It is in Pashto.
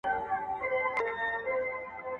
جنگ پر شدياره ښه دئ، نه پر خاوره.